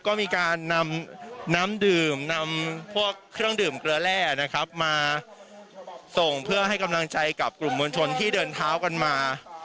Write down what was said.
ก็มีการนำน้ำดื่มนำพวกเครื่องดื่มเกลือแร่นะครับมาส่งเพื่อให้กำลังใจกับกลุ่มมวลชนที่เดินเท้ากันมา